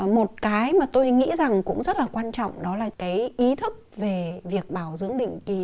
một cái mà tôi nghĩ rằng cũng rất là quan trọng đó là cái ý thức về việc bảo dưỡng định kỳ